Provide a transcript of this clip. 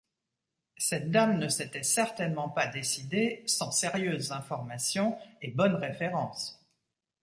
Cette dame ne s’était certainement pas décidée sans sérieuses informations et bonnes références...